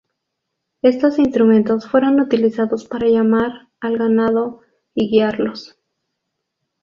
Estos instrumentos fueron utilizados para llamar al ganado y guiarlos.